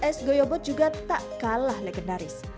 es goyobot juga tak kalah legendaris